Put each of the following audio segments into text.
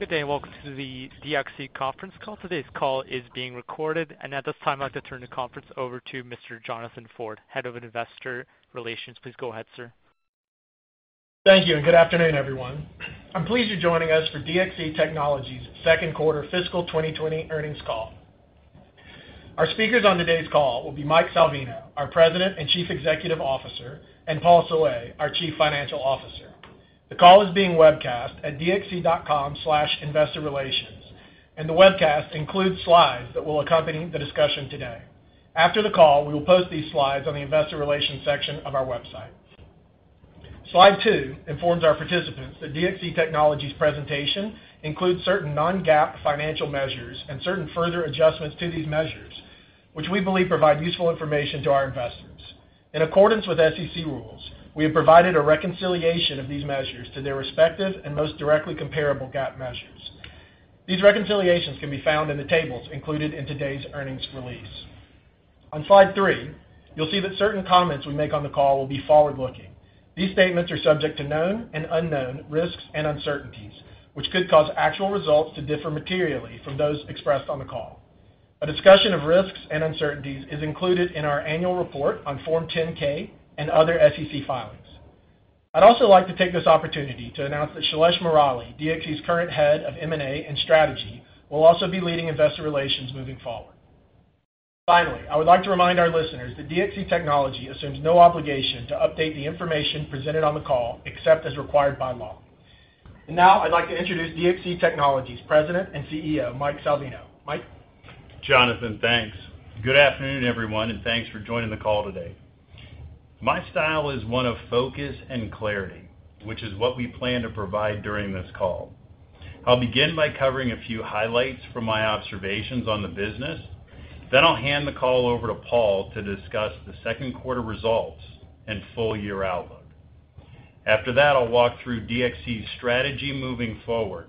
Good day and welcome to the DXC conference call. Today's call is being recorded and at this time I'd like to turn the conference over to Mr. Jonathan Ford, Head of Investor Relations. Please go ahead, sir. Thank you and good afternoon everyone. I'm pleased you're joining us for DXC Technology's second quarter fiscal 2020 earnings call. Our speakers on today's call will be Mike Salvino, our President and Chief Executive Officer, and Paul Saleh, our Chief Financial Officer. The call is being webcast at dxc.com/investorrelations and the webcast includes slides that will accompany the discussion today. After the call, we will post these slides on the Investor Relations section of our website. Slide 2 informs our participants that DXC Technology's presentation includes certain non-GAAP financial measures and certain further adjustments to these measures which we believe provide useful information to our investors. In accordance with SEC rules, we have provided a reconciliation of these measures to their respective and most directly comparable GAAP measures. These reconciliations can be found in the tables included in today's earnings release on slide 3. You'll see that certain comments we make on the call will be forward-looking. These statements are subject to known and unknown risks and uncertainties which could cause actual results to differ materially from those expressed on the call. A discussion of risks and uncertainties is included in our annual report on Form 10-K and other SEC filings. I'd also like to take this opportunity to announce that Shailesh Murali, DXC's current head of M&A and Strategy, will also be leading investor relations moving forward. Finally, I would like to remind our listeners that DXC Technology assumes no obligation to update the information presented on the call except as required by law. Now I'd like to introduce DXC Technology's President and CEO Mike Salvino. Thanks. Good afternoon everyone and thanks for joining the call today. My style is one of focus and clarity, which is what we plan to provide during this call. I'll begin by covering a few highlights from my observations on the business, then I'll hand the call over to Paul to discuss the second quarter results and full year outlook. After that, I'll walk through DXC's strategy moving forward,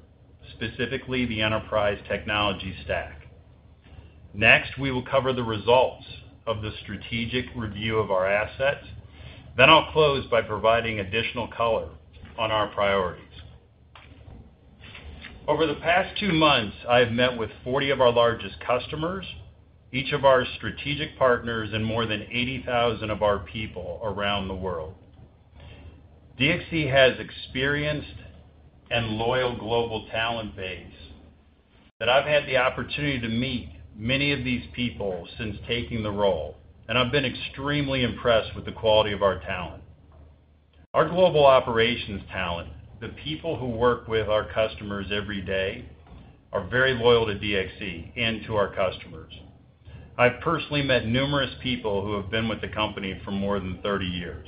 specifically the enterprise technology stack. Next, we will cover the results of the strategic review of our assets, then I'll close by providing additional color on our priorities. Over the past two months, I have met with 40 of our largest customers, each of our strategic partners, and more than 80,000 of our people around the world. DXC has experienced and loyal global talent base that I've had the opportunity to meet many of these people since taking the role, and I've been extremely impressed with the quality of our talent, our global operations talent. The people who work with our customers every day are very loyal to DXC and to our customers. I've personally met numerous people who have been with the company for more than 30 years.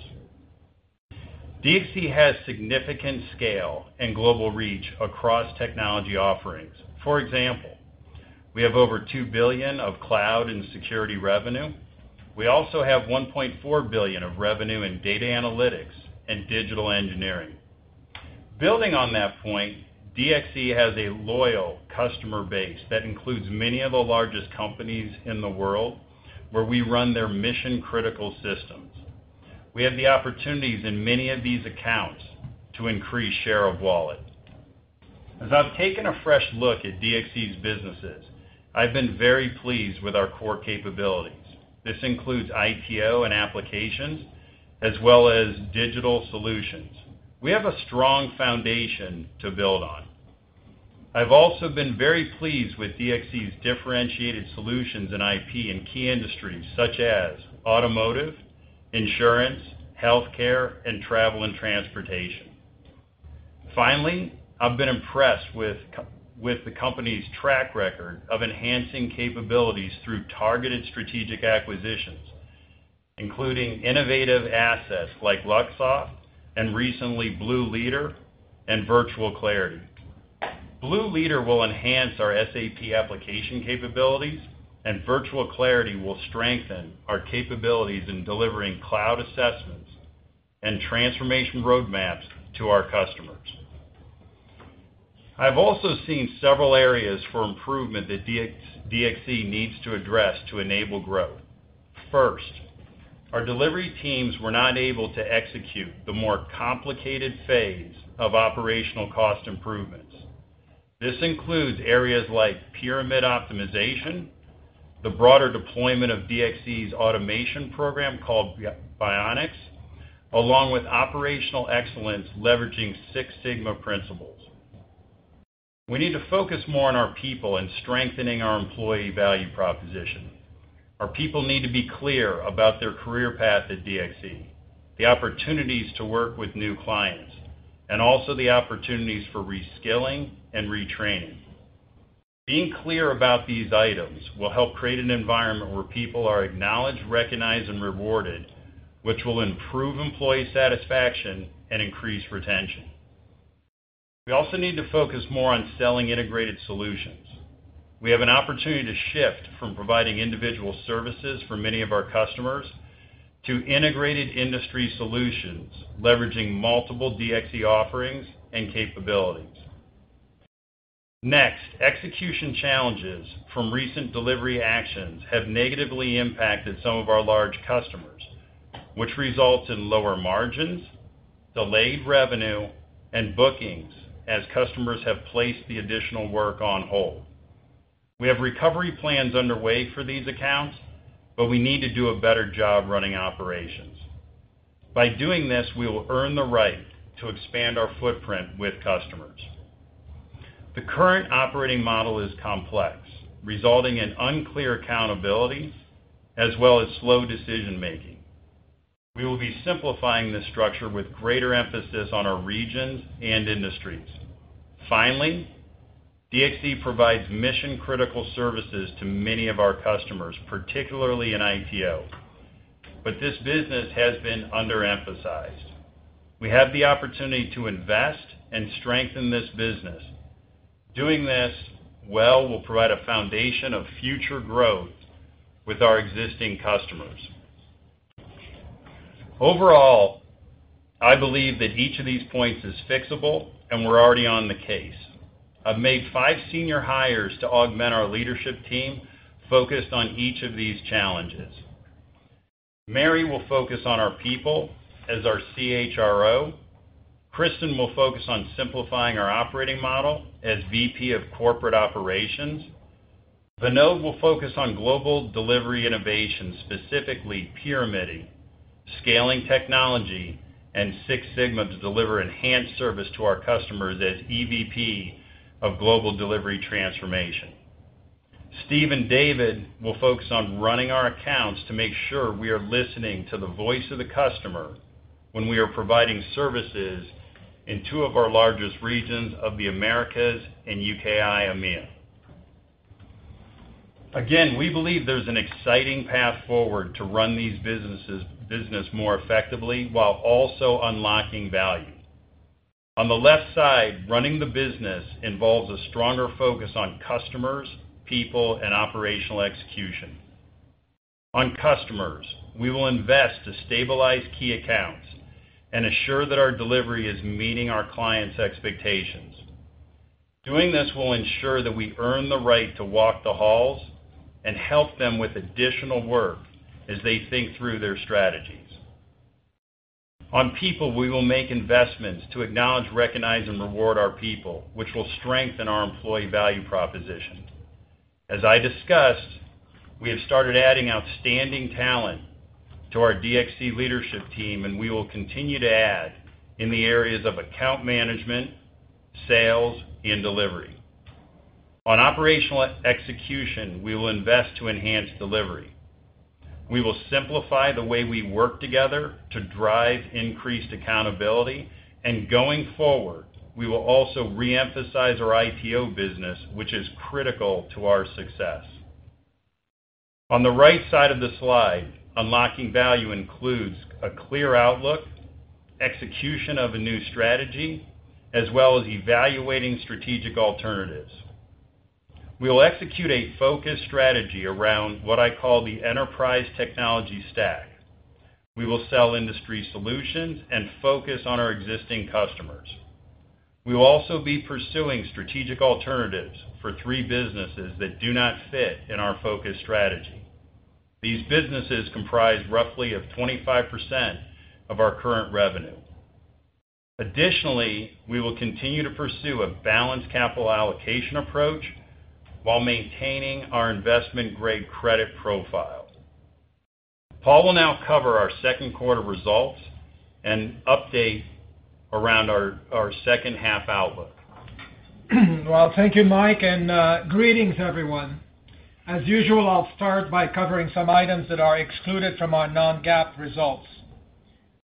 DXC has significant scale and global reach across technology offerings. For example, we have over $2 billion of cloud and security revenue. We also have $1.4 billion of revenue in data analytics and digital engineering. Building on that point, DXC has a loyal customer base that includes many of the largest companies in the world where we run their mission critical systems. We have the opportunities in many of these accounts to increase share of wallet as I've taken a fresh look at DXC's businesses. I've been very pleased with our core capabilities. This includes ITO and applications as well as digital solutions. We have a strong foundation to build on. I've also been very pleased with DXC's differentiated solutions and IP in key industries such as automotive, insurance, healthcare and travel and transportation. Finally, I've been impressed with the company's track record of enhancing capabilities through targeted strategic acquisitions, including innovative assets like Luxoft and recently Bluleader and Virtual Clarity. Bluleader will enhance our SAP application capabilities and Virtual Clarity will strengthen our capabilities in delivering cloud assessments and transformation roadmaps to our customers. I've also seen several areas for improvement that DXC needs to address to enable growth. First, our delivery teams were not able to execute the more complicated phase of operational cost improvements. This includes areas like pyramid optimization, the broader deployment of DXC's automation program called Bionics, along with operational excellence leveraging Six Sigma principles. We need to focus more on our people and strengthening our employee value proposition. Our people need to be clear about their career path at DXC, the opportunities to work with new clients and also the opportunities for reskilling and retraining. Being clear about these items will help create an environment where people are acknowledged, recognized and rewarded, which will improve employee satisfaction and increase retention. We also need to focus more on selling integrated solutions. We have an opportunity to shift from providing individual services for many of our customers to integrated industry solutions leveraging multiple DXC offerings and capabilities. Next, execution challenges from recent delivery actions have negatively impacted some of our large customers, which results in lower margins, delayed revenue and bookings as customers have placed the additional work on hold. We have recovery plans underway for these accounts, but we need to do a better job running operations. By doing this, we will earn the right to expand our footprint with customers. The current operating model is complex resulting in unclear accountability as well as slow decision making. We will be simplifying this structure with greater emphasis on our regions and industries. Finally, DXC provides mission critical services to many of our customers, particularly in ITO. But this business has been underemphasized. We have the opportunity to invest and strengthen this business. Doing this well will provide a foundation of future growth with our existing customers. Overall, I believe that each of these points is fixable and we're already on the case. I've made five senior hires to augment our leadership team focused on each of these challenges. Mary will focus on our people as our CHRO. Kristin will focus on simplifying our operating model as VP of Corporate Operations. Vinod will focus on global delivery innovation, specifically pyramiding, scaling technology and Six Sigma to deliver enhanced service to our customers. As EVP of Global Delivery Transformation, Steve and David will focus on running our accounts to make sure we are listening to the voice of the customer when we are providing services in two of our largest regions, the Americas and UKI EMEA. Again, we believe there's an exciting path forward to run these businesses more effectively while also unlocking value. On the left side. Running the business involves a stronger focus on customers, people and operational execution. On customers, we will invest to stabilize key accounts and assure that our delivery is meeting our clients' expectations. Doing this will ensure that we earn the right to walk the halls and help them with additional work as they think through their strategies. On people, we will make investments to acknowledge, recognize and reward our people which will strengthen our employee value proposition. As I discussed, we have started adding outstanding talent to our DXC leadership team and we will continue to add in the areas of account management, sales and delivery. On operational execution, we will invest to enhance delivery. We will simplify the way we work together to drive increased accountability and going forward we will also reemphasize our ITO business which is critical to our success. On the right side of the slide. Unlocking value includes a clear outlook, execution of a new strategy as well as evaluating strategic alternatives. We will execute a focused strategy around what I call the Enterprise Technology Stack. We will sell industry solutions and focus on our existing customers. We will also be pursuing strategic alternatives for three businesses that do not fit in our focus strategy. These businesses comprise roughly 25% of our current revenue. Additionally, we will continue to pursue a balanced capital allocation approach while maintaining our investment-grade credit profile. Paul will now cover our second quarter results and update around our second half outlook. Thank you Mike and greetings everyone. As usual, I'll start by covering some items that are excluded from our non-GAAP results.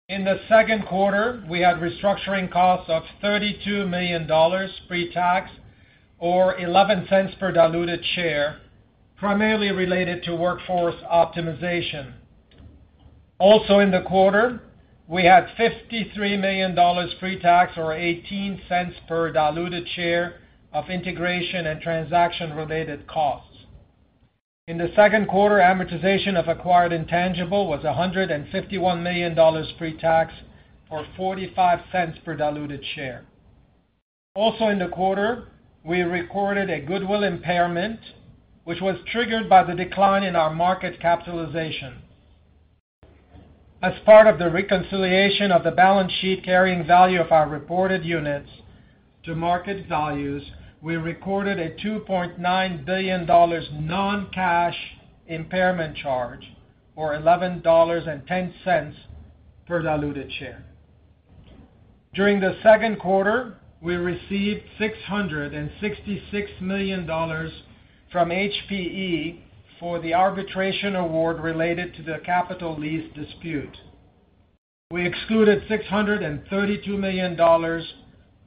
In the second quarter we had restructuring costs of $32 million pre-tax or $0.11 per diluted share, primarily related to workforce optimization. Also in the quarter we had $53 million pre-tax or $0.18 per diluted share of integration and transaction-related costs. In the second quarter, amortization of acquired intangible was $151 million pre-tax or $0.45 per diluted share. Also in the quarter we recorded a goodwill impairment, which was triggered by the decline in our market capitalization as part of the reconciliation of the balance sheet carrying value of our reported units to market values. We recorded a $2.9 billion non-cash impairment charge or $11.10 per diluted share. During the second quarter we received $666 million from HPE for the arbitration award related to the capital lease dispute. We excluded $632 million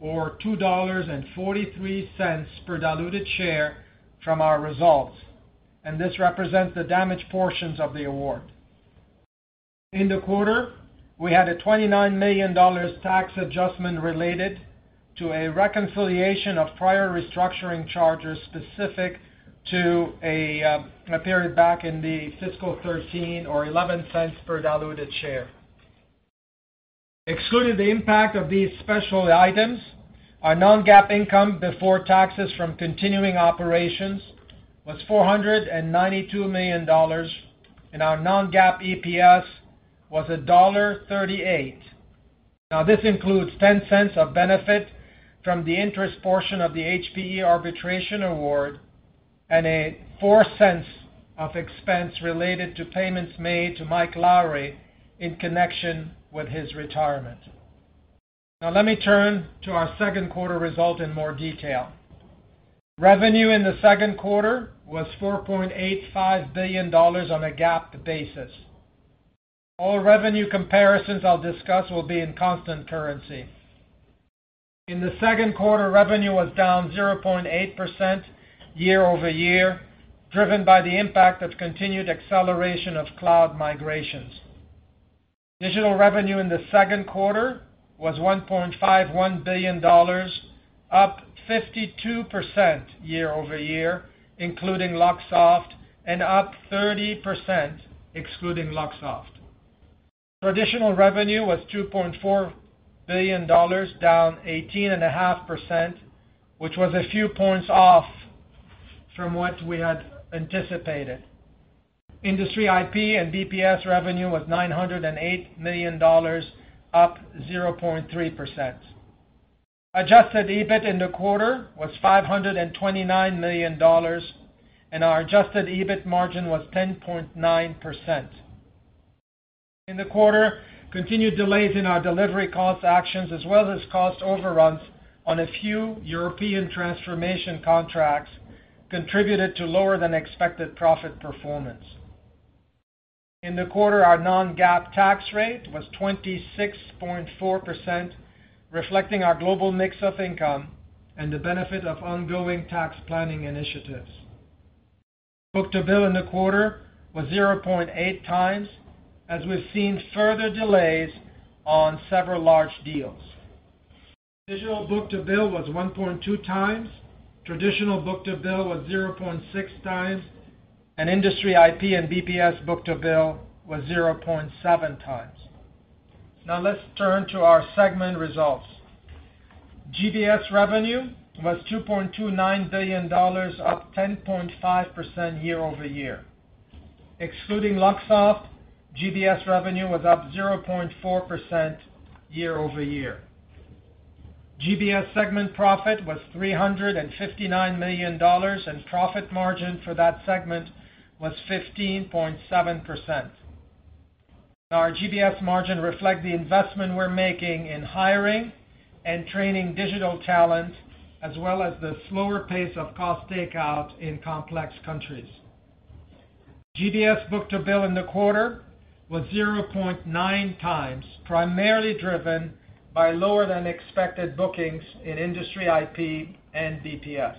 or $2.43 per diluted share from our results and this represents the damaged portions of the award. In the quarter we had a $29 million tax adjustment related to a reconciliation of prior restructuring charges specific to a period back in the fiscal 2013 or $0.11 per diluted share. Excluding the impact of these special items, our non-GAAP income before taxes from continuing operations was $492 million and our non-GAAP EPS was $1.38. Now this includes $0.10 of benefit from the interest portion of the HPE arbitration award and a $0.04 of expense related to payments made to Mike Lawrie in connection with his retirement. Now let me turn to our second quarter result in more detail. Revenue in the second quarter was $4.85 billion on a GAAP basis. All revenue comparisons I'll discuss will be in constant currency. In the second quarter, revenue was down 0.8% year over year, driven by the impact of continued acceleration of cloud migrations. Digital revenue in the second quarter was $1.51 billion, up 52% year over year, including Luxoft and up 30% excluding Luxoft. Traditional revenue was $2.4 billion, down 18.5%, which was a few points off from what we had anticipated. Industry IP and BPS revenue was $908 million, up 0.3%. Adjusted EBIT in the quarter was $529 million and our adjusted EBIT margin was 10.9% in the quarter. Continued delays in our delivery cost actions as well as cost overruns on a few European transformation contracts contributed to lower than expected profit performance in the quarter. Our non-GAAP tax rate was 26.4% reflecting our global mix of income and the benefit of ongoing tax planning initiatives. Book to bill in the quarter was 0.8 times as we've seen further delays on several large deals. Digital book to bill was 1.2 times, traditional book to bill was 0.6 times and industry IP and BPS book to bill was 0.7 times. Now let's turn to our segment results. GBS revenue was $2.29 billion up 10.5% year over year excluding Luxoft. GBS revenue was up 0.4% year over year. GBS segment profit was $359 million and profit margin for that segment was 15.7%. Our GBS margin reflect the investment we're making in hiring and training digital talent as well as the slower pace of cost takeout in complex countries. GBS book to bill in the quarter was 0.9 times, primarily driven by lower than expected bookings in industry, IP and BPS.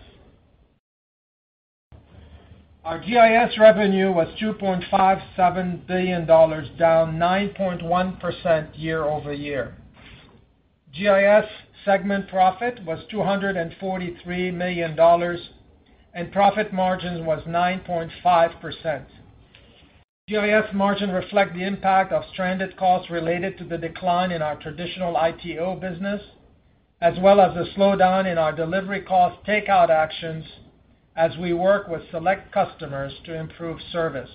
Our GIS revenue was $2.57 billion, down 9.1% year over year. GIS segment profit was $243 million and profit margin was 9.5%. GIS margin reflect the impact of stranded costs related to the decline in our traditional ITO business as well as a slowdown in our delivery cost takeout actions as we work with select customers to improve service.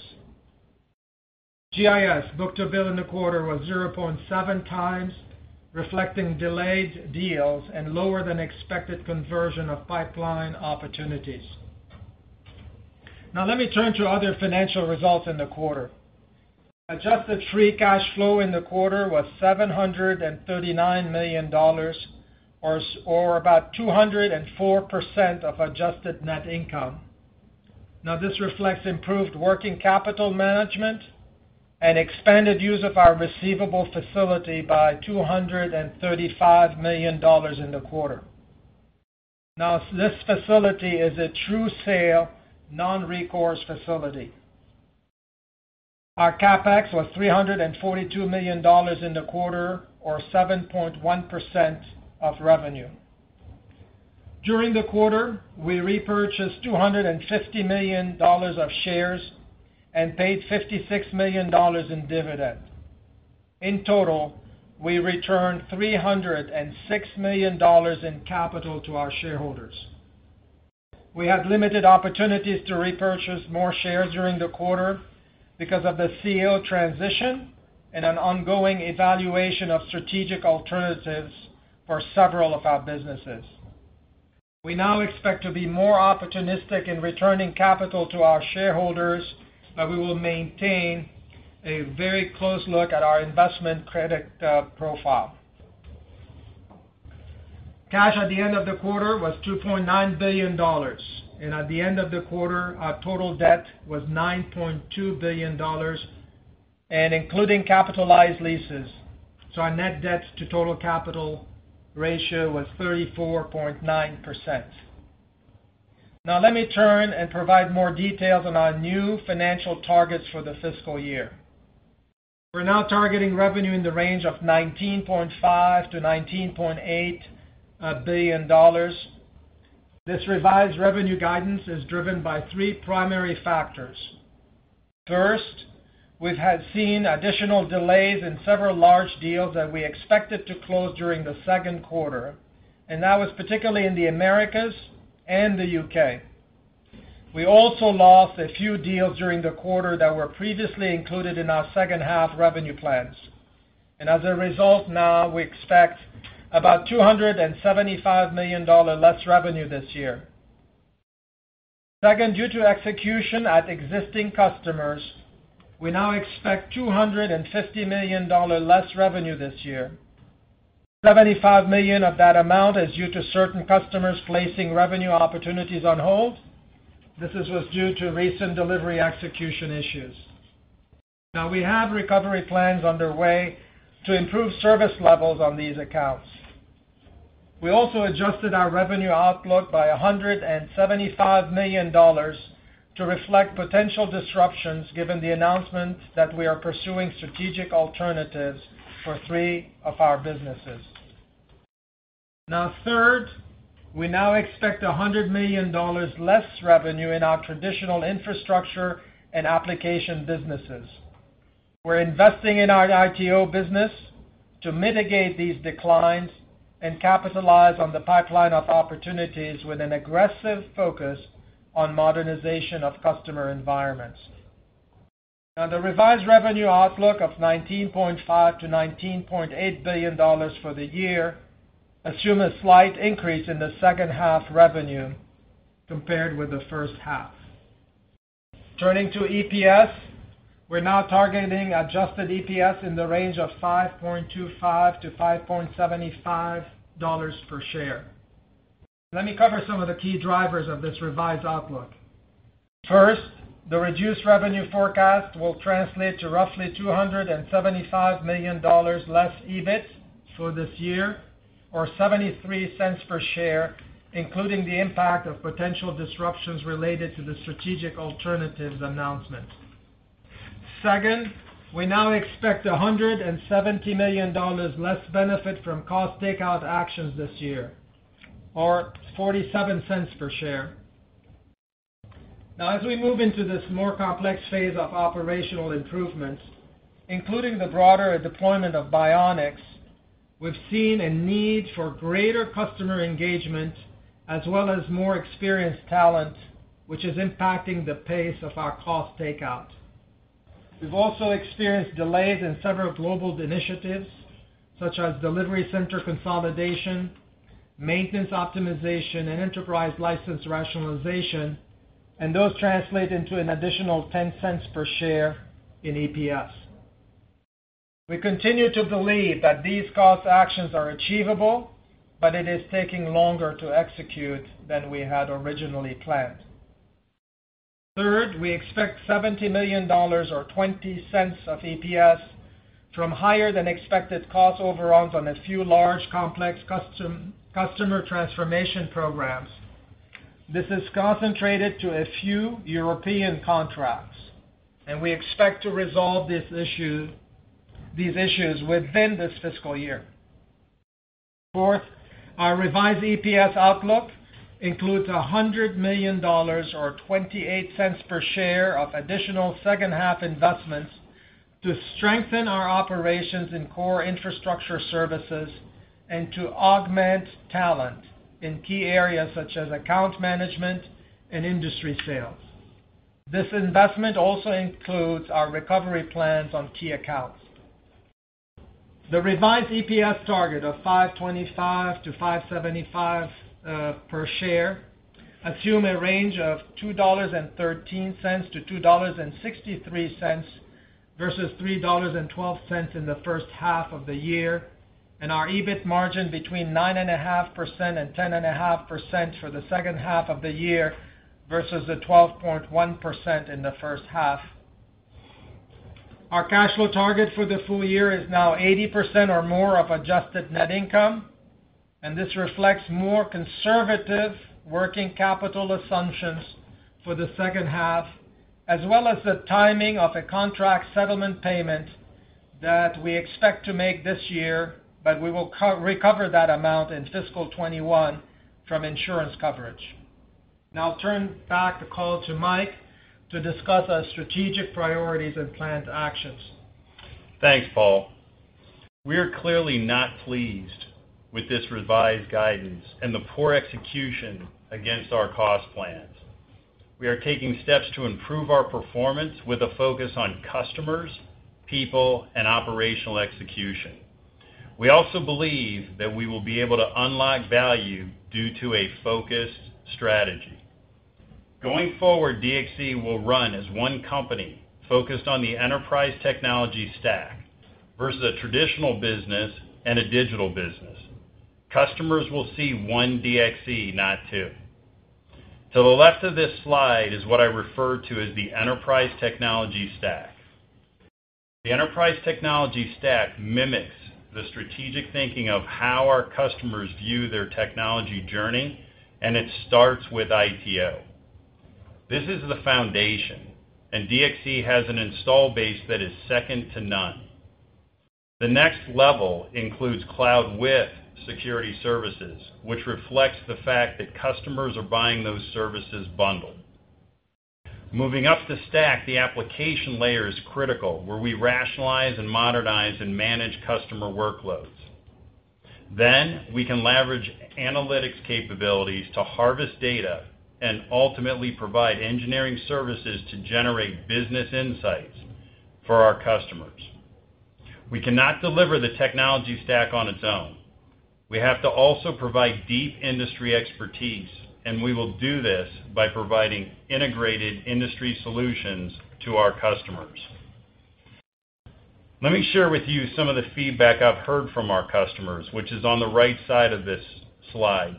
GIS book to bill in the quarter was 0.7 times reflecting delayed deals and lower than expected conversion of pipeline opportunities. Now let me turn to other financial results in the quarter. Adjusted free cash flow in the quarter was $739 million or about 204% of adjusted net income. Now this reflects improved working capital management and expanded use of our receivable facility by $235 million in the quarter. Now this facility is a true sale non recourse facility. Our CapEx was $342 million in the quarter or 7.1% of revenue during the quarter. We repurchased $250 million of shares and paid $56 million in dividend. In total we returned $306 million in capital to our shareholders. We had limited opportunities to repurchase more shares during the quarter because of the CEO transition and an ongoing evaluation of strategic alternatives for several of our businesses. We now expect to be more opportunistic in returning capital to our shareholders, but we will maintain a very close look at our investment credit profile. Cash at the end of the quarter was $2.9 billion and at the end of the quarter our total debt was $9.2 billion and, including capitalized leases, so our net debt to total capital ratio was 34.9%. Now let me turn and provide more details on our new financial targets for the fiscal year. We're now targeting revenue in the range of $19.5-$19.8 billion. This revised revenue guidance is driven by three primary factors. First, we've had seen additional delays in several large deals that we expected to close during the second quarter, and that was particularly in the Americas and the UK. We also lost a few deals during the quarter that were previously included in our second half revenue plans and as a result now we expect about $275 million less revenue this year. Second, due to execution at existing customers, we now expect $250 million less revenue this year. $75 million of that amount is due to certain customers placing revenue opportunities on hold. This was due to recent delivery execution issues. Now we have recovery plans underway to improve service levels on these accounts. We also adjusted our revenue outlook by $175 million to reflect potential disruptions given the announcement that we are pursuing strategic alternatives for three of our businesses now. Third, we now expect $100 million less revenue in our traditional infrastructure and application businesses. We're investing in our ITO business to mitigate these declines and capitalize on the pipeline of opportunities with an aggressive focus on modernization of customer environments. The revised revenue outlook of $19.5-$19.8 billion for the year assume a slight increase in the second half revenue compared with the first half. Turning to EPS, we're now targeting adjusted EPS in the range of $5.25-$5.7. Let me cover some of the key drivers of this revised outlook. First, the reduced revenue forecast will translate to roughly $275 million less EBIT for this year or $0.73 per share, including the impact of potential disruptions related to the strategic alternatives announcement. Second, we now expect $170 million less benefit from cost takeout actions this year, or $0.47 per share. Now, as we move into this more complex phase of operational improvements, including the broader deployment of Bionics, we've seen a need for greater customer engagement as well as more experienced talent, which is impacting the pace of our cost takeout. We've also experienced delays in several global initiatives such as delivery center consolidation, maintenance optimization and enterprise license rationalization, and those translate into an additional $0.10 per share in EPS. We continue to believe that these cost actions are achievable, but it is taking longer to execute than we had originally planned. Third, we expect $70 million or $0.20 of EPS from higher than expected cost overruns on a few large, complex customer transformation programs. This is concentrated to a few European contracts and we expect to resolve these issues within this fiscal year. Fourth, our revised EPS outlook includes $100 million, or $0.28 per share of additional second half investments to strengthen our operations in core infrastructure services and to augment talent in key areas such as account management and industry sales. This investment also includes our recovery plans on key accounts. The revised EPS target of 525-575 per share assume a range of $2.13-$2.63 versus $3.12 in the first half of the year and our EBIT margin between 9.5% and 10.5% for the second half of the year versus the 12.1% in the first half. Our cash flow target for the full year is now 80% or more of adjusted net income and this reflects more conservative working capital assumptions for the second half as well as the timing of a contract settlement payment that we expect to make this year. But we will recover that amount in fiscal 2021 from insurance coverage. Now turn back the call to Mike to discuss our strategic priorities and planned actions. Thanks Paul. We are clearly not pleased with this revised guidance and the poor execution against our cost plans. We are taking steps to improve our performance with a focus on customers, people and operational execution. We also believe that we will be able to unlock value due to a focused strategy going forward. DXC will run as one company focused on the Enterprise Technology Stack versus a traditional business and a digital business. Customers will see one DXC, not two. To the left of this slide is what I refer to as the Enterprise Technology Stack. The Enterprise Technology Stack mimics the strategic thinking of how our customers view their technology journey and it starts with ITO. This is the foundation and DXC has an install base that is second to none. The next level includes cloud with security services, which reflects the fact that customers are buying those services bundled. Moving up the Stack, the application layer is critical, where we rationalize and modernize and manage customer workloads. Then we can leverage analytics capabilities to harvest data and ultimately provide engineering services to generate business insights for our customers. We cannot deliver the Technology Stack on its own. We have to also provide deep industry expertise, and we will do this by providing integrated industry solutions to our customers. Let me share with you some of the feedback I've heard from our customers, which is on the right side of this slide.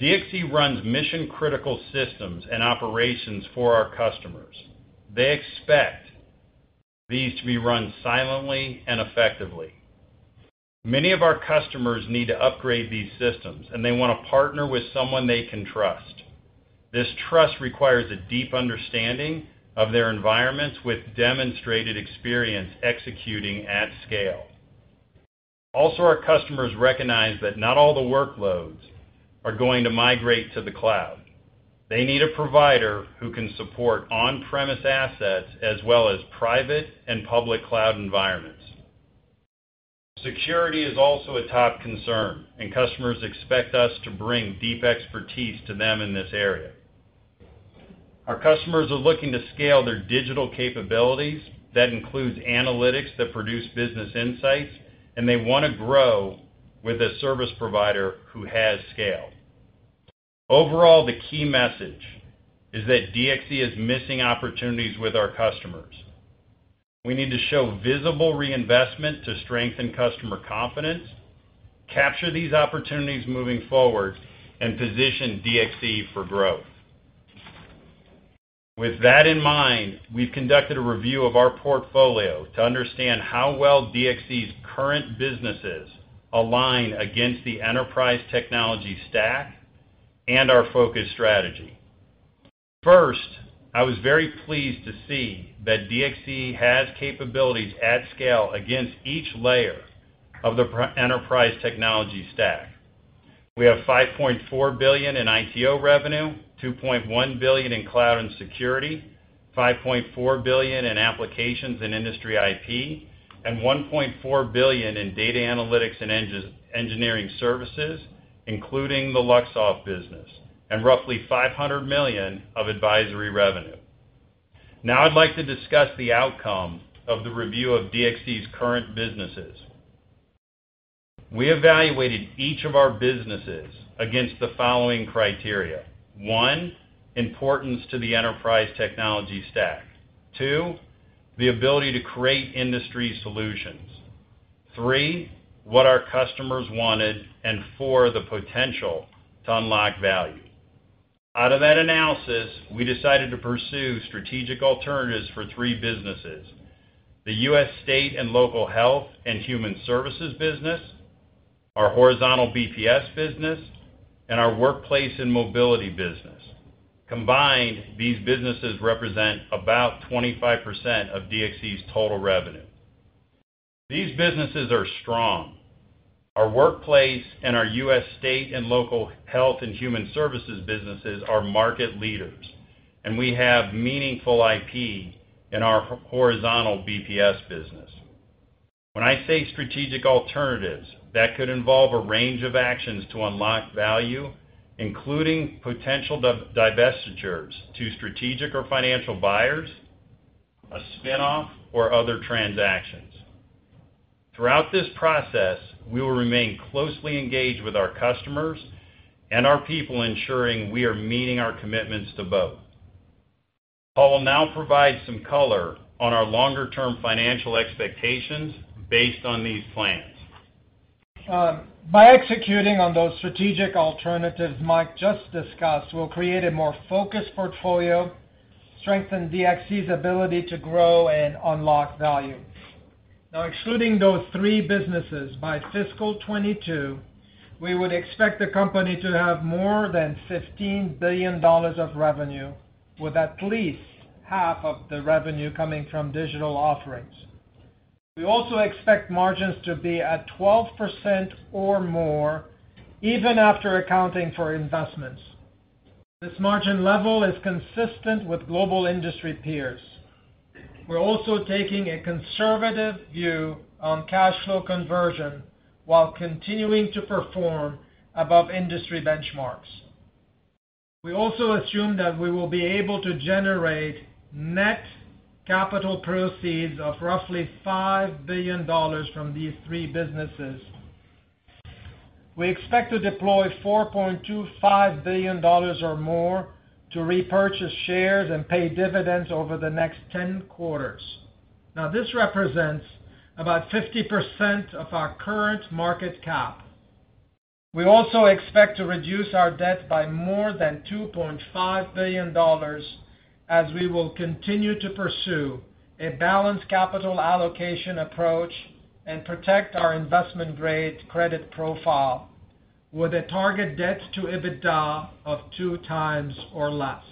DXC runs mission critical systems and operations for our customers. They expect these to be run silently and effectively. Many of our customers need to upgrade these systems, and they want to partner with someone they can trust. This trust requires a deep understanding of their environments with demonstrated experience executing at scale. Also, our customers recognize that not all the workloads are going to migrate to the cloud. They need a provider who can support on premise assets as well as private and public cloud environments. Security is also a top concern and customers expect us to bring deep expertise to them in this area. Our customers are looking to scale their digital capabilities that includes analytics that produce business insights and they want to grow with a service provider who has scale. Overall, the key message is that DXC is missing opportunities with our customers. We need to show visible reinvestment to strengthen customer confidence, capture these opportunities moving forward and position DXC for growth. With that in mind, we've conducted a review of our portfolio to understand how well DXC's current businesses align against the enterprise technology stack and our focus strategy. First, I was very pleased to see that DXC has capabilities at scale against each layer of the enterprise technology stack. We have $5.4 billion in ITO revenue, $2.1 billion in cloud and security, $5.4 billion in applications and industry IP, and $1.4 billion in data analytics and engineering services including the Luxoft business and roughly $500 million of advisory revenue. Now I'd like to discuss the outcome of the review of DXC's current businesses. We evaluated each of our businesses against the following 1 importance to the enterprise technology stack, 2 the ability to create industry solutions, 3 what our customers wanted and 4 the potential to unlock value. Out of that analysis, we decided to pursue strategic alternatives for three businesses, the U.S. State and Local Health and Human Services business, our horizontal BPS business, and our Workplace and Mobility business. Combined, these businesses represent about 25% of DXC's total revenue. These businesses are strong. Our workplace and our U.S. State and Local Health and Human Services businesses are market leaders and we have meaningful IP in our horizontal BPS business. When I say strategic alternatives that could involve a range of actions to unlock value, including potential divestitures to strategic or financial buyers, a spinoff or other transactions. Throughout this process, we will remain closely engaged with our customers and our people, ensuring we are meeting our commitments to both. Paul will now provide some color on our longer term financial expectations based on these plans. By executing on those strategic alternatives Mike just discussed, we'll create a more focused portfolio, strengthen DXC's ability to grow and unlock value. Now, excluding those three businesses, by fiscal 2022 we would expect the company to have more than $15 billion of revenue, with at least half of the revenue coming from digital offerings. We also expect margins to be at 12% or more even after accounting for investments. This margin level is consistent with global industry peers. We're also taking a conservative view on cash flow conversion while continuing to perform above industry benchmarks. We also assume that we will be able to generate net capital proceeds of roughly $5 billion from these three businesses. We expect to deploy $4.25 billion or more to repurchase shares and pay dividends over the next 10 quarters. Now this represents about 50% of our current market cap. We also expect to reduce our debt by more than $2.5 billion as we will continue to pursue a balanced capital allocation approach and protect our investment grade credit profile with a target debt to EBITDA of 2x or less.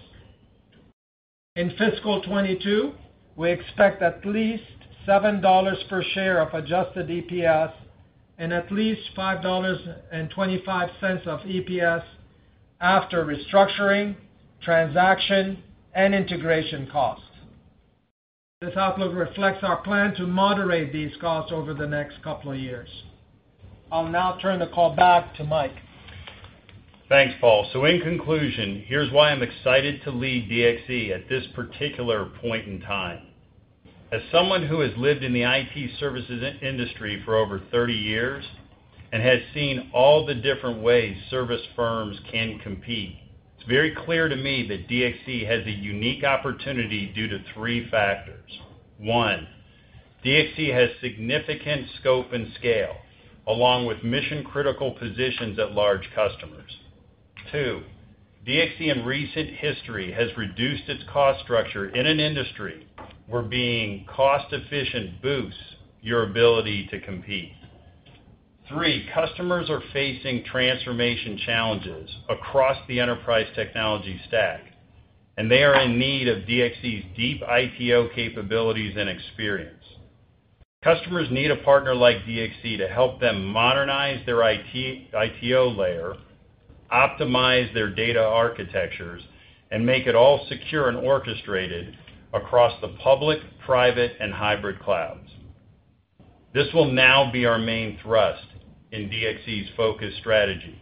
In fiscal 2022, we expect at least $7 per share of adjusted EPS and at least $5.25 of EPS after restructuring transaction and integration costs. This outlook reflects our plan to moderate these costs over the next couple of years. I'll now turn the call back to Mike. Thanks Paul. So in conclusion, here's why I'm excited to lead DXC at this particular point in time. As someone who has lived in the IT services industry for over 30 years and has seen all the different ways service firms can compete, it's very clear to me that DXC has a unique opportunity due to three factors. 1. DXC has significant scope and scale along with mission critical positions at large customers. 2. DXC in recent history has reduced its cost structure in an industry where being cost efficient boosts your ability to compete. 3. Customers are facing transformation challenges across the Enterprise Technology Stack and they are in need of DXC's deep ITO capabilities and experience. Customers need a partner like DXC to help them modernize their ITO layer, optimize their data architectures and make it all secure and orchestrated across the public, private and hybrid clouds. This will now be our main thrust in DXC's focused strategy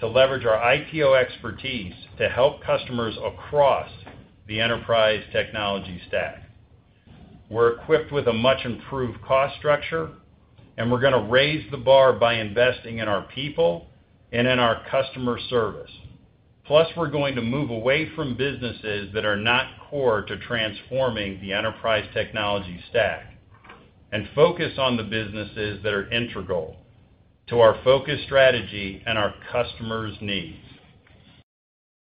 to leverage our ITO expertise to help customers across the Enterprise Technology Stack. We're equipped with a much improved cost structure and we're going to raise the bar by investing in our people and in our customer service. Plus, we're going to move away from businesses that are not core to transforming the enterprise technology stack and focus on the businesses that are integral to our focus strategy and our customers needs.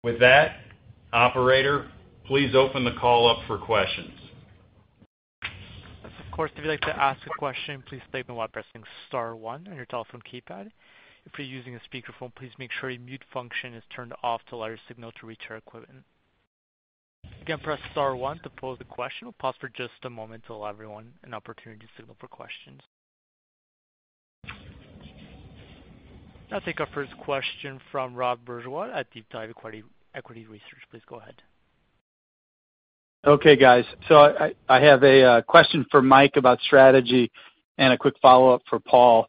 With that, operator, please open the call up for questions. Of course, if you'd like to ask a question, please type in while pressing star one on your telephone keypad. If you're using a speakerphone, please make sure a mute function is turned off to allow your signal to reach our equipment. Again, press star one to pose the question. We'll pause for just a moment to allow everyone an opportunity to signal for questions. Now I'll take our first question from Rod Bourgeois at DeepDive Equity Research. Please go ahead. Okay guys, so I have a question for Mike about strategy and a quick. Follow up for Paul.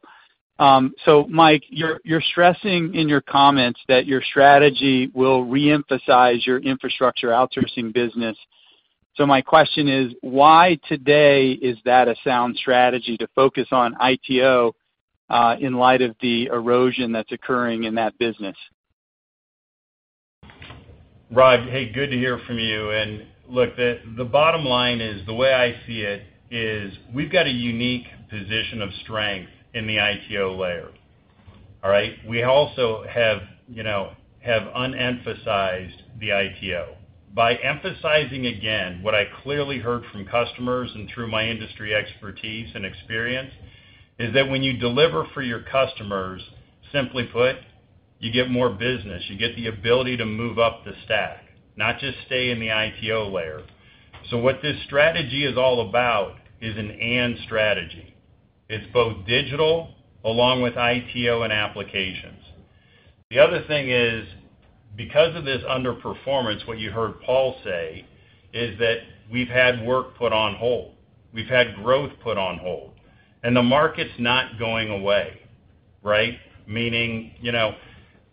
So Mike, you're stressing in your comments that your strategy will reemphasize your infrastructure outsourcing business. So my question is why today is that a sound strategy to focus on ITO in light of the erosion that's occurring in that business? Rod. Hey, good to hear from you, and look, the bottom line is, the way I see it is we've got a unique position of strength in the ITO layer. All right? We also have, you know, unemphasized the ITO by emphasizing again, what I clearly heard from customers and through my industry expertise and experience is that when you deliver for your customers, simply put, you get more business, you get the ability to move up the stack, not just stay in the ITO layer. So what this strategy is all about is an and strategy. It's both digital along with ITO and applications. The other thing is because of this underperformance, what you heard Paul say is that we've had work put on hold, we've had growth put on hold and the market's not going away. Right? Meaning, you know,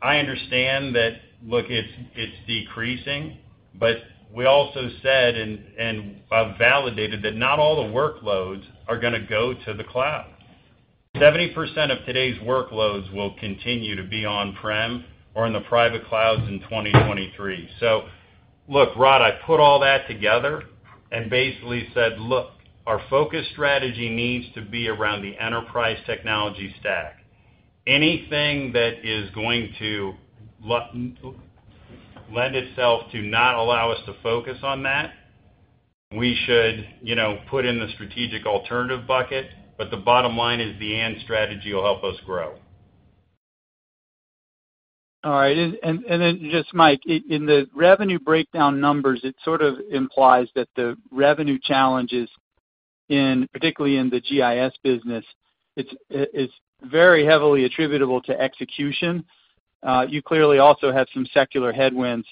I understand that, look, it's decreasing. But we also said and validated that not all the workloads are going to go to the cloud. 70% of today's workloads will continue to be on-prem or in the private clouds in 2023. So look, Rod, I put all that together and basically said, look, our focus strategy needs to be around the Enterprise Technology Stack. Anything that is going to lend itself to not allow us to focus on that, we should put in the strategic alternative bucket. But the bottom line is the end strategy will help us grow. All right? Just Mike, in the revenue. Breakdown numbers, it sort of implies that the revenue challenges, particularly in the GIS business. It's very heavily attributable to execution. You clearly also have some secular headwinds.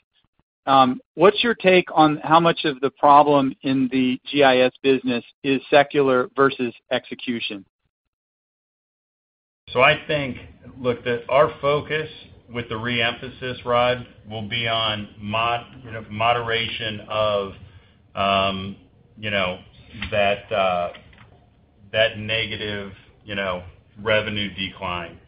What's your take on how much of the problem in the GIS business is secular versus execution? So I think, look, that our focus with the RE emphasis, Rod, will be on moderation of, you know, that negative revenue decline.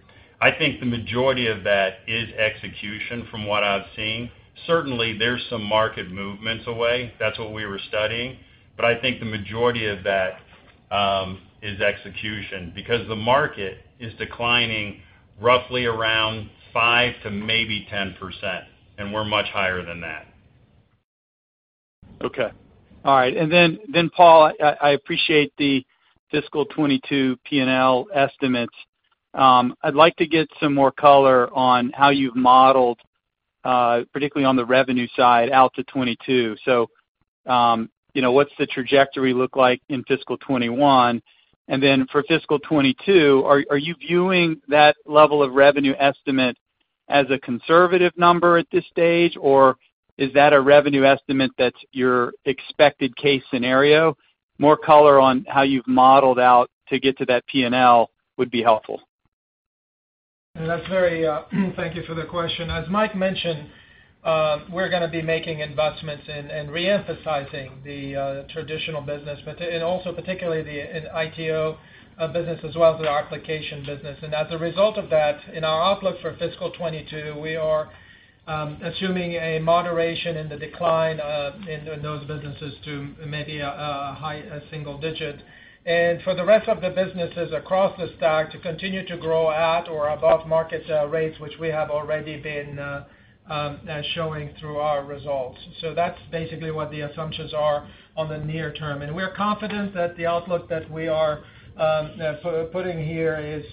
I think the majority of that is execution. From what I've seen, certainly there's some market movements away. That's what we were studying. But I think the majority of that is execution because the market is declining roughly around 5% to maybe 10% and we're much higher than that. Okay. All right. And then, Paul, I appreciate the fiscal 2022 P&L estimates. I'd like to get some more color on how you've modeled, particularly on the revenue side out to 2022. So you know, what's the trajectory look like in fiscal 2021? And then for fiscal 2022, are you viewing that level of revenue estimate as a conservative number at this stage, or is that a revenue estimate that's your expected case scenario? More color on how you've modeled out to get to that P and L would be helpful. That's very. Thank you for the question. As Mike mentioned, we're going to be making investments and reemphasizing the traditional business and also particularly the ITO business as well as our application business. And as a result of that, in our outlook for fiscal 2022, we are assuming a moderation in the decline in those businesses to maybe a single digit and for the rest of the businesses across the stack to continue to grow at or above market rates, which we have already been showing through our results. So that's basically what the assumptions are on the near term. And we are confident that the outlook that we are putting here is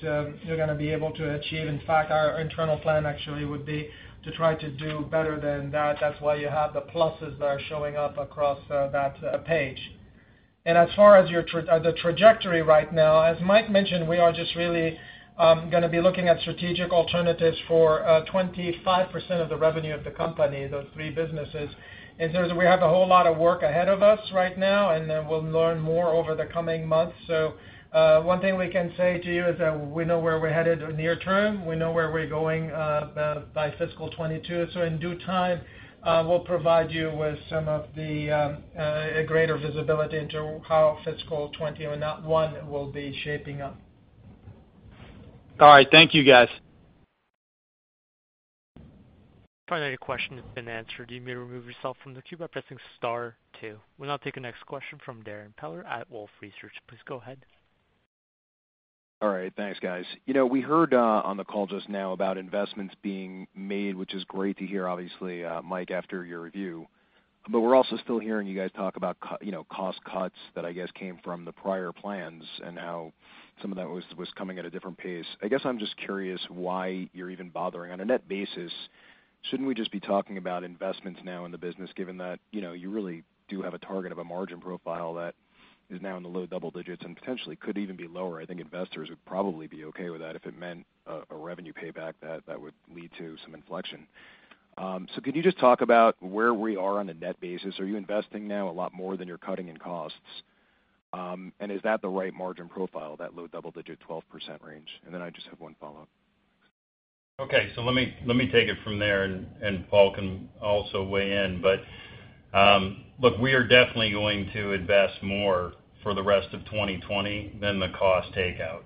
you're going to be able to achieve. In fact, our internal plan actually would be to try to do better than that. That's why you have the pluses that are showing up across that page. And as far as the trajectory right now, as Mike mentioned, we are just really going to be looking at strategic alternatives for 25% of the revenue of the company, those three businesses, in terms of we have a whole lot of work ahead of us right now and then we'll learn more over the coming months. So one thing we can say to you is that we know where we're headed near term, we know where we're going by fiscal 2022. So in due time, we'll provide you with some of the greater visibility into how fiscal 2021 will be shaping up, all right. Thank you, guys. Your question has been answered. You may remove yourself from the queue by pressing Star two. We'll now take the next question from Darrin Peller at Wolfe Research. Please go ahead. All right, thanks, guys. You know, we heard on the call just now about investments being made, which is great to hear, obviously, Mike, after your review, but we're also still hearing you guys talk about, you know, cost cuts that I guess came from the prior plans and how some of that was coming at a different pace. I guess I'm just curious why you're even bothering on a net basis. Shouldn't we just be talking about investments now in the business, given that you really do have a target of a margin profile that is now in the low double digits and potentially could even be lower? I think investors would probably be okay with that if it meant a revenue payback that would lead to some inflection. So could you just talk about where we are on a net basis? Are you investing now a lot more than you're cutting in costs? And is that the right margin profile, that low double-digit, 12% range? And then I just have one follow-up. Okay, so let me take it from there, and Paul can also weigh in, but look, we are definitely going to invest more for the rest of 2020 than the cost takeout.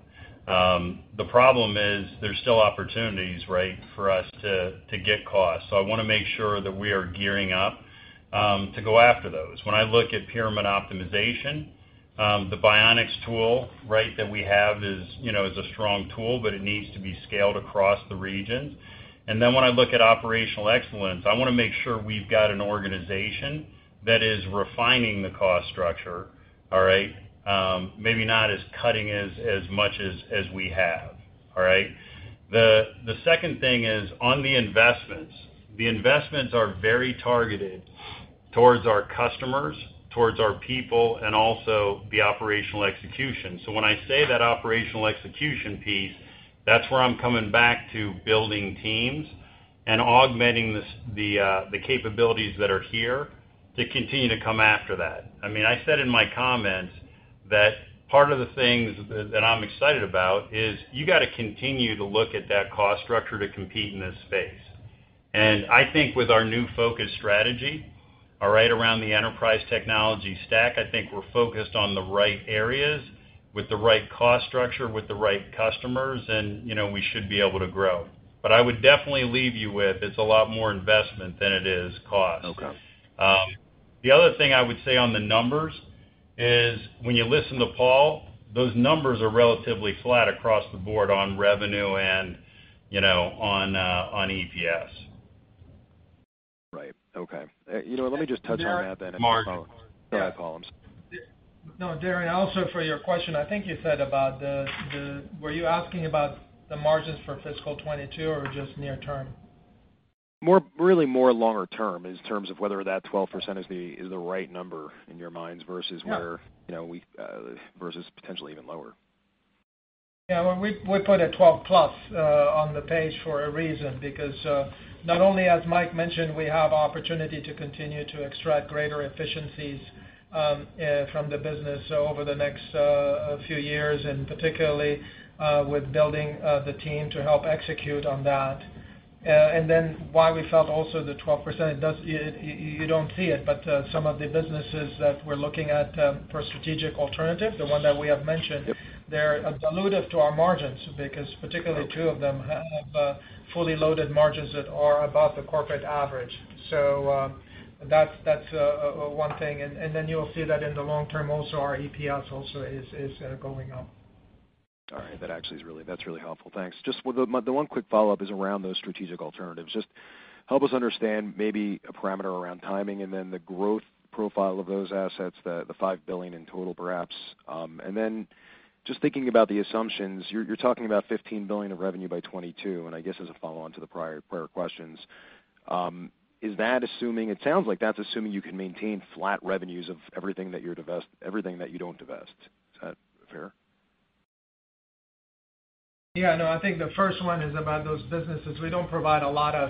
The problem is there's still opportunities, right, for us to get costs, so I want to make sure that we are gearing up to go after those. When I look at pyramid optimization, the Bionics tool, right, that we have is, you know, is a strong tool, but it needs to be scaled across the regions, and then when I look at operational excellence, I want to make sure we've got an organization that is refining the cost structure. All right. Maybe not as cutting as much as we have. All right. The second thing is on the investments, the investments are very targeted towards our customers, towards our people, and also the operational execution. So when I say that operational execution piece, that's where I'm coming back to building teams and augmenting the capabilities that are here to continue to come after that. I mean, I said in my comments that part of the things that I'm excited about is you got to continue to look at that cost structure to compete in this space. And I think with our new focus strategy, all right. Around the Enterprise Technology Stack, I think we're focused on the right areas with the right cost structure, with the right customers, and we should be able to grow. But I would definitely leave you with it's a lot more investment than it is cost. The other thing I would say on the numbers is when you listen to Paul, those numbers are relatively flat across the board on revenue and on EPS. Right, okay, you know what, let me just touch on that then. Darrin, also for your question, I think you said about the. Were you asking about the margins for fiscal 2022 or just near term Really more longer term in terms of whether that 12% is the right number in your minds versus potentially even lower. We put a 12 plus on the page for a reason because not only, as Mike mentioned, we have opportunities to continue to extract greater efficiencies from the business over the next few years and particularly with building the team to help execute on that. And then why we felt also the 12%, you don't see it, but some of the businesses that we're looking at for strategic alternative, the one that we have mentioned, they're dilutive to our margins because particularly two of them fully loaded margins that are above the corporate average. So that's one thing. And then you'll see that in the long term also our EPS also is going up. All right, that actually that's really helpful. Thanks. Just the one quick follow up is around those strategic alternatives. Just help us understand maybe a parameter around timing and then the growth profile of those assets. The $5 billion in total perhaps. And then just thinking about the assumptions, you're talking about $15 billion of revenue by 2022. And I guess as a follow on to the prior questions, is that assuming it sounds like that's assuming you can maintain flat revenues of everything that you divest, everything that you don't divest. Is that fair? Yeah. No, I think the first one is about those businesses. We don't provide a lot of.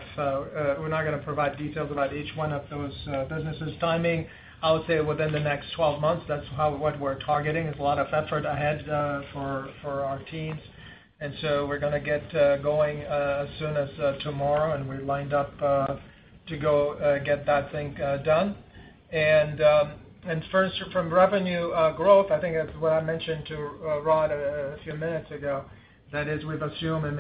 We're not going to provide details about each one of those businesses. Timing, I would say within the next 12 months. That's what we're targeting. There's a lot of effort ahead for our teams and so we're going to get going as soon as tomorrow and we're lined up to go get that thing done. And first from revenue growth, I think that's what I mentioned to Rod a few minutes ago. That is, we've assumed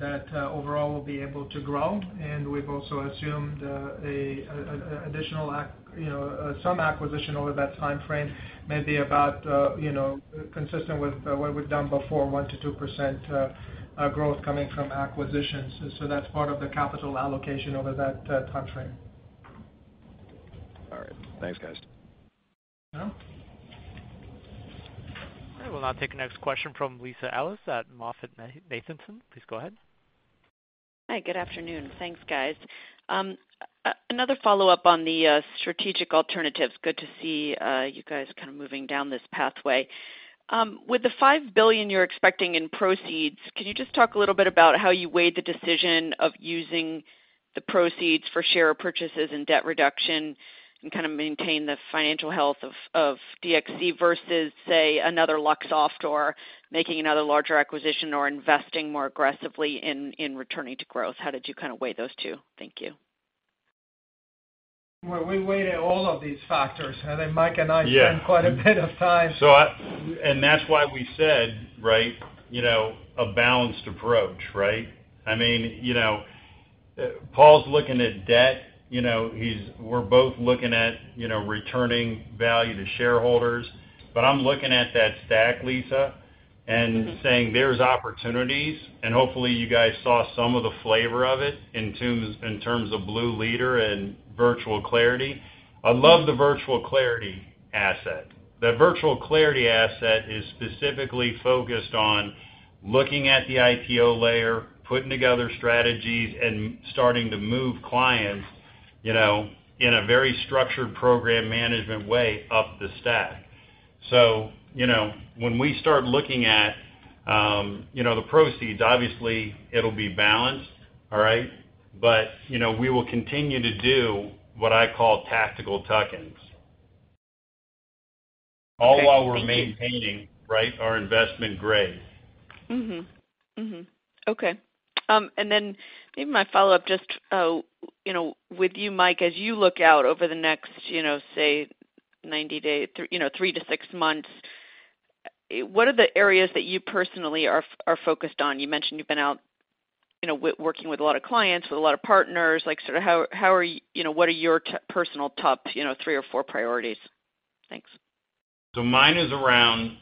that overall we'll be able to grow and we've also assumed additional, you know, some acquisition over that time frame may be about, you know, consistent with what we've done before, 1%-2% growth coming from acquisitions. So that's part of the capital allocation over that time frame. All right, thanks guys. We'll now take the next question from Lisa Ellis at MoffettNathanson, please go ahead. Hi, good afternoon. Thanks, guys. Another follow up on the strategic alternatives. Good to see you guys kind of moving down this pathway. With the $5 billion you're expecting in proceeds. Can you just talk a little bit about how you weighed the decision of using the proceeds for share repurchases and debt reduction and kind of maintain the financial health of DXC versus, say, another Luxoft or making another larger acquisition or investing more aggressively in returning to growth? How did you kind of weigh those two? Thank you. Well, we weighed all of these factors. I think Mike and I spent quite. A bit of time, and that's why we said right. You know, a balanced approach right. I mean, you know, Paul's looking at debt. You know, he's. We're both looking at, you know, returning value to shareholders. But I'm looking at that stack, Lisa, and saying there's opportunities, and hopefully you guys saw some of the flavor of it in terms of Bluleader and Virtual Clarity. I love the Virtual Clarity asset. The Virtual Clarity asset is specifically focused on looking at the I&O layer, putting together strategies and starting to move clients, you know, in a very structured program management way up the stack. So, you know, when we start looking at, you know, the proceeds, obviously it'll be balanced. All right. But, you know, we will continue to do what I call tactical tuck-ins, all while we're maintaining right our investment grade. Okay. And then maybe my follow up just with you, Mike, as you look out over the next, say, 90 days, three to six months, what are the areas that you personally are focused on? You mentioned you've been out working with a lot of clients, with a lot of partners. What are your personal top three or four priorities? Thanks. So mine is around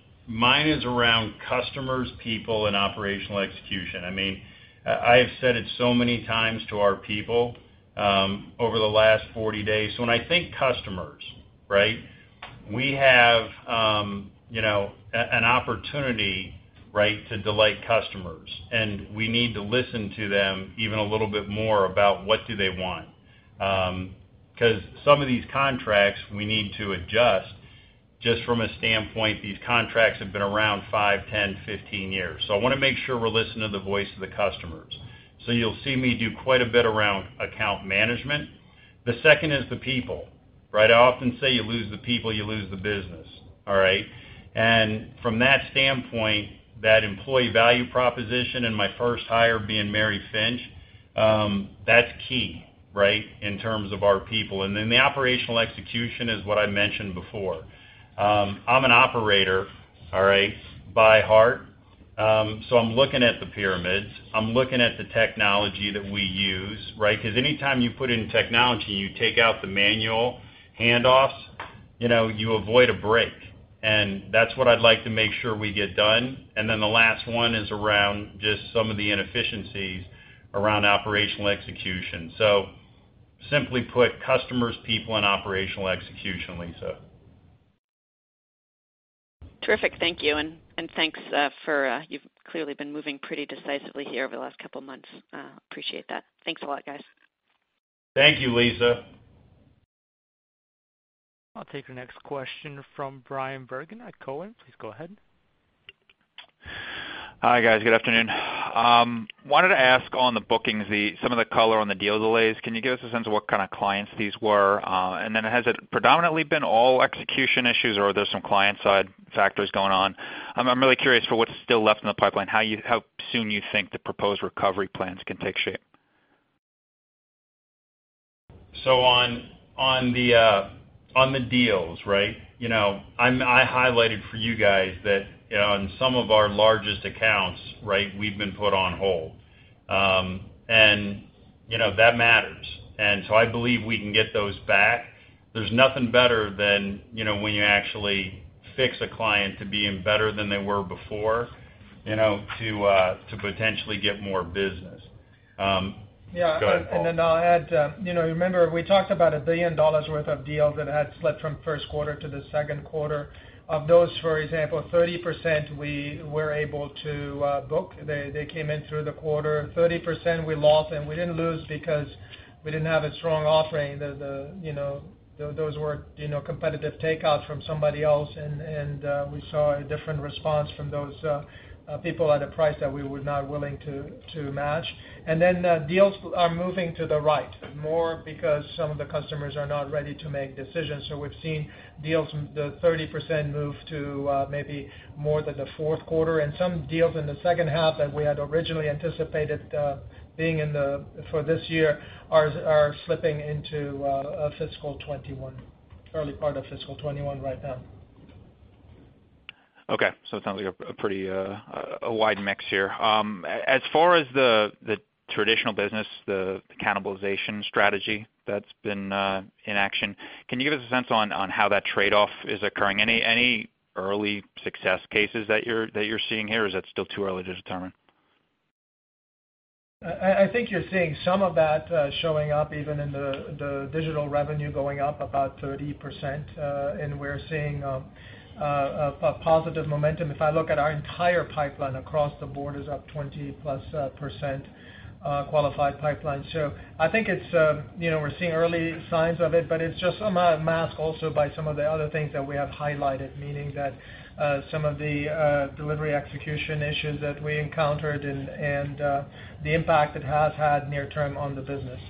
customers, people, and operational execution. I have said it so many times to our people over the last 40 days. So when I think customers, right. We have an opportunity to delight customers, and we need to listen to them even a little bit more about what do they want? Because some of these contracts we need to adjust. Just from a standpoint, these contracts have been around five, 10, 15 years. So I want to make sure we're listening to the voice of the customers. So you'll see me do quite a bit around account management. The second is the people. Right. I often say you lose the people, you lose the business. All right? And from that standpoint, that employee value proposition and my first hire being Mary Finch, that's key, right. In terms of our people. And then the operational execution is what I mentioned before I'm an operator at heart. So I'm looking at the pyramids, I'm looking at the technology that we use, right? Because anytime you put in technology, you take out the manual handoffs, you avoid a break, and that's what I'd like to make sure we get done, and then the last one is around just some of the inefficiencies around operational execution. So simply put, customers, people and operational execution. Lisa. Terrific. Thank you, and thanks, you've clearly been moving pretty decisively here over the last couple months. Appreciate that. Thanks a lot, guys. Thank you, Lisa. I'll take the next question from Bryan Bergin at Cowen. Please go ahead. Hi, guys. Good afternoon. Wanted to ask on the bookings, some of the color on the deal delays. Can you give us a sense of what kind of clients these were? And then has it predominantly been all execution issues or are there some clients factors going on? I'm really curious for what's still left in the pipeline, how soon you think the proposed recovery plans can take shape. So on the deals, right, I highlighted for you guys that in some of our largest accounts, we've been put on hold and that matters. And so I believe we can get those back. There's nothing better than when you actually fix a client to being better than they were before to potentially get more business. Then I'll add, remember we talked about $1 billion worth of deals that had slipped from first quarter to the second quarter. Of those, for example, 30% we were able to book. They came in through the quarter. 30% we lost. And we didn't lose because we didn't have a strong offering. Those were competitive takeouts from somebody else. And we saw a different response from those people at a price that we were not willing to match. And then deals are moving to the right more because some of the customers are not ready to make decisions. So we've seen deals, the 30% move to maybe more than the fourth quarter. And some deals in the third, second half that we had originally anticipated being in for this year are slipping into fiscal 2021 early part of fiscal 2021 right now. Okay, so it sounds like a pretty wide mix here as far as the traditional business. The cannibalization strategy that's been in action. Can you give us a sense on how that trade off is occurring? Any early success cases that you're seeing here? Is that still too early to determine? I think you're seeing some of that showing up even in the digital revenue going up about 30%, and we're seeing positive momentum. If I look at our entire pipeline across the board is up 20+% qualified pipeline. So I think it's, you know, we're seeing early signs of it, but it's just a mask also by some of the other things that we have highlighted, meaning that some of the delivery execution issues that we encountered and the impact it has had near term on the business.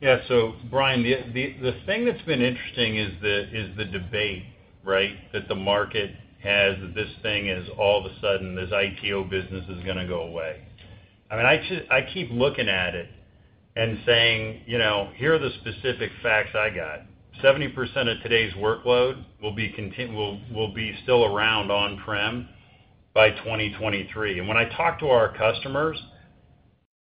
Yeah. So, Bryan, the thing that's been interesting is the debate, right, that the market has, that this thing is all of a sudden this ITO business is going to go away. I mean, I keep looking at it and saying here are the specific facts. I got 70% of today's workload will be still around on-prem by 2023. And when I talk to our customers,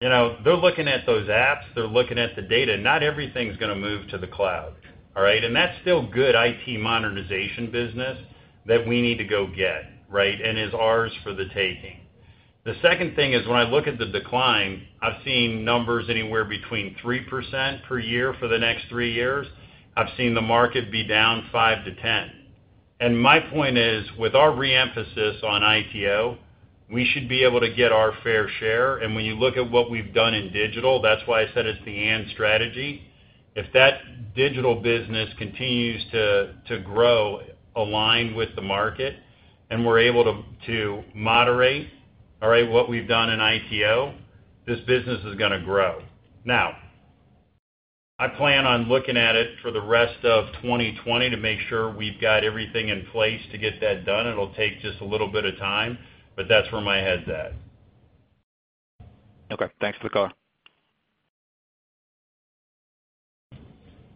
you know, they're looking at those apps, they're looking at the data. Not everything's going to move to the cloud. All right. And that's still good IT modernization business that we need to go get right and is ours for the taking. The second thing is, when I look at the decline, I've seen numbers anywhere between 3% per year for the next three years. I've seen the market be down 5%-10%. My point is, with our re-emphasis on ITO, we should be able to get our fair share. When you look at what we've done in digital, that's why I said it's the AND strategy. If that digital business continues to grow, aligned with the market and we're able to moderate. All right, with what we've done in ITO, this business is going to grow. Now I plan on looking at it for the rest of 2020 to make sure we've got everything in place to get that done. It'll take just a little bit of time, but that's where my head's at. Okay, thanks for the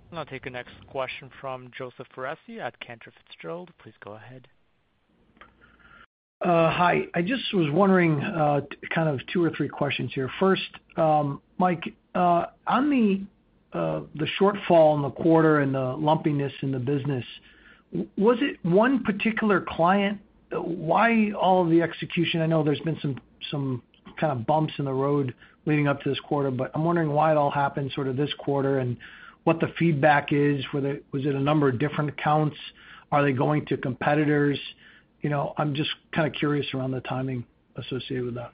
caller. I'll take the next question from Joseph Foresi at Cantor Fitzgerald. Please go ahead. Hi. I just was wondering kind of two or three questions here. First, Mike, on the shortfall in the quarter and the lumpiness in the business. Was it one particular client? Why all the execution? I know there's been some kind of bumps in the road leading up to this quarter, but I'm wondering why it all happened sort of this quarter and what the feedback is. Was it a number of different accounts? Are they going to competitors? I'm just kind of curious around the timing associated with that.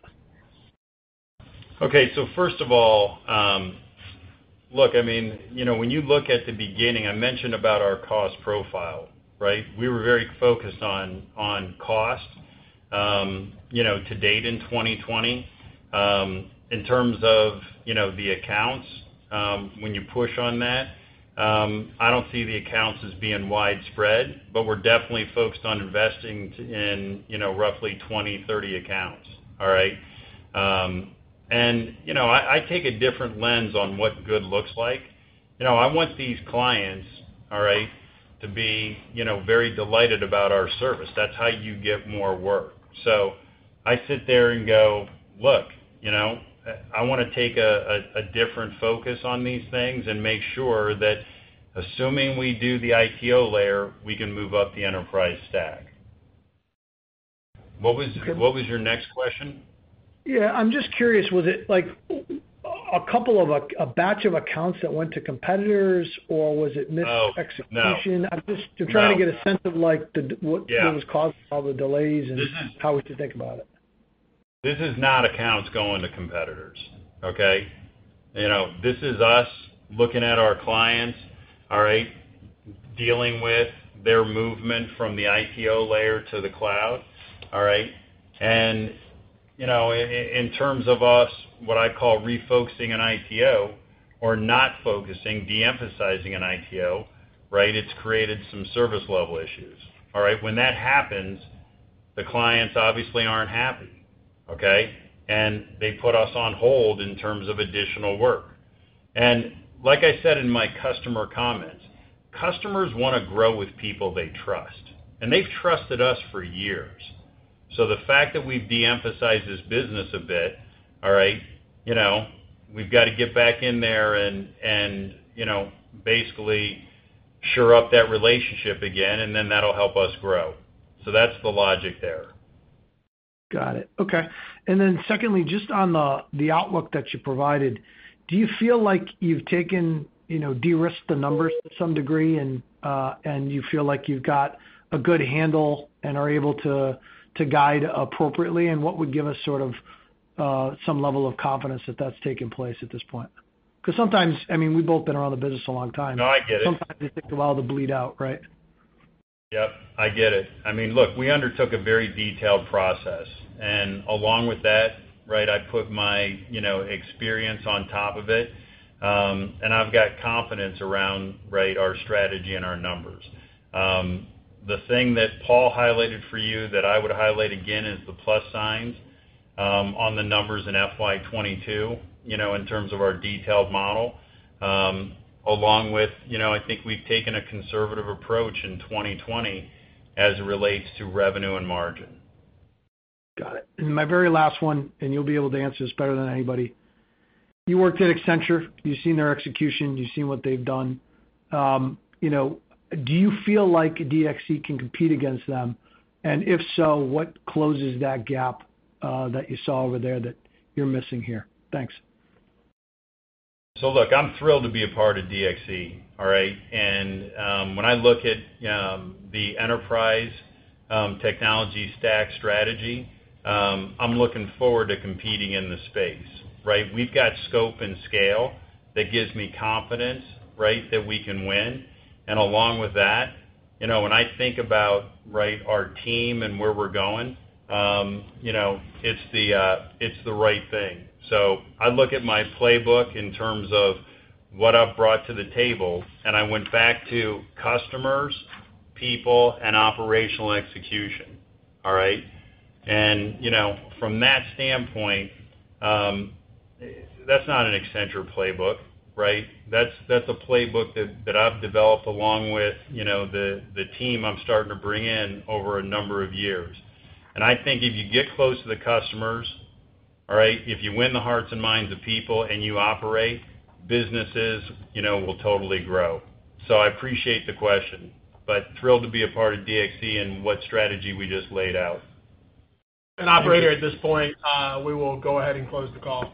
Okay, so first of all, look, I mean, you know, when you look at the beginning, I mentioned about our cost profile, right? We were very focused on cost, you know, to date in 2020, in terms of, you know, the accounts. When you push on that, I don't see the accounts as being widespread, but we're definitely focused on investing in roughly 20-30 accounts. And I take a different lens on what good looks like. I want these clients to be very delighted about our service. That's how you get more work. So I sit there and go, look, I want to take a different focus on these things and make sure that assuming we do the ITO layer, we can move up the enterprise stack. What was your next question? Yeah, I'm just curious. Was it like a couple of a batch of accounts that went to competitors or was it mis? I'm just trying to get a sense of, like, what was causing all the delays and how we should think about it. This is not accounts going to competitors. Okay. You know, this is us looking at our clients, all right, dealing with their movement from the IPO layer to the cloud. All right? And, you know, in terms of us, what I call refocusing an ITO or not focusing, de-emphasizing an ITO. Right. It's created some service-level issues. All right? When that happens, the clients obviously aren't happy. Okay, and they put us on hold in terms of additional work, and like I said in my customer comments, customers want to grow with people they trust and they've trusted us for years, so the fact that we've de-emphasized this business a bit. All right, we've got to get back in there and basically shore up that relationship again, and then that'll help us grow, so that's the logic there. Got it. Okay. And then secondly, just on the outlook that you provided, do you feel like you've taken de risked the numbers to some degree and you feel like you've got a good handle and are able to guide appropriately and what would give us sort of some level of confidence that that's taking place at this point? Because sometimes, I mean, we've both been around the business a long time. No, I get it. Sometimes it takes a while to bleed out. Right. Yep, I get it. I mean, look, we undertook a very detailed process and along with that, right. I put my, you know, experience on top of it and I've got confidence around, right. Our strategy and our numbers. The thing that Paul highlighted for you that I would highlight again is the plus signs on the numbers in FY22. You know, in terms of our detailed model, along with, I think we've taken a conservative approach in 2020 as it relates to revenue and margin. Got it. And my very last one. And you'll be able to answer this better than anybody. You worked at Accenture. You've seen their execution. You've seen what they've done. Do you feel like DXC can compete against them? And if so, what closes that gap that you saw over there that you're missing here? Thanks. So, look, I'm thrilled to be a part of DXC, all right, and when I look at the Enterprise Technology Stack strategy, I'm looking forward to competing in the space. Right. We've got scope and scale. That gives me confidence. Right. That we can win. And along with that, you know, when I think about, right, our team and where we're going, you know, it's the right thing, so I look at my playbook in terms of what I've brought to the table, and I went back to customers, people, and operational execution. All right, and you know, from that standpoint, that's not an Accenture playbook. Right. That's a playbook that I've developed along with, you know, the team I'm starting to bring in over a number of years. I think if you get close to the customers, if you win the hearts and minds of people and you operate, businesses will totally grow. So I appreciate the question, but thrilled to be a part of DXC and what strategy we just laid out. And, Operator, at this point, we will go ahead and close the call.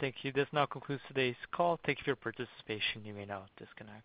Thank you. This now concludes today's call. Thank you for your participation. You may now disconnect.